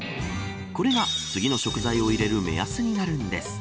これが次の食材を入れる目安になるんです。